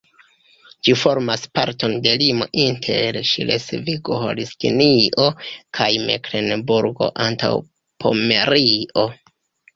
Ĝi formas parton de limo inter Ŝlesvigo-Holstinio kaj Meklenburgo-Antaŭpomerio.